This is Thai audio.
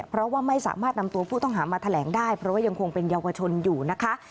เพราะว่าไม่สามารถนำตัวผู้ต้องหามาแถลงได้เพราะว่ายังคงเป็นเยาวชนอยู่นะคะ